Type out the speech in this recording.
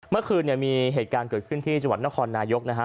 เมื่อคืนเนี่ยมีเหตุการณ์เกิดขึ้นที่จังหวัดนครนายกนะฮะ